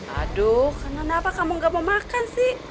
aduh kenapa kamu gak mau makan sih